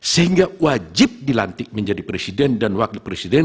sehingga wajib dilantik menjadi presiden dan wakil presiden